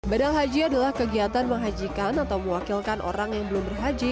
badal haji adalah kegiatan menghajikan atau mewakilkan orang yang belum berhaji